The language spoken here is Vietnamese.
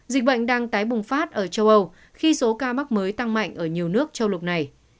dịch bệnh đang tái bùng phát ở châu âu khi số ca mắc mới tăng mạnh ở nhiều nước châu lục này